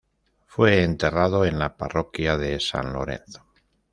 Fue enterrado en la parroquia de san Lorenzo.